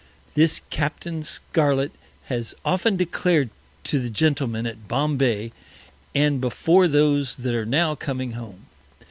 This Captain Scarlet has often declared to the Gentlemen at Bombay, and before those that are now coming Home.